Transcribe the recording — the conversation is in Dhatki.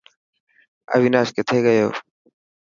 اويناش ڪٿي گيو.